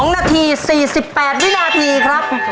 ๒นาที๔๘วินาทีครับ